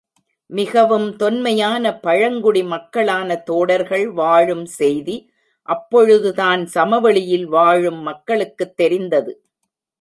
மிகவும் தொன்மையான பழங்குடி மக்களான தோடர்கள் வாழும் செய்தி, அப்பொழுதுதான் சமவெளியில் வாழும் மக்களுக்குத் தெரிந்தது.